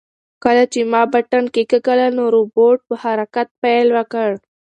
کله چې ما بټن کېکاږله نو روبوټ په حرکت پیل وکړ.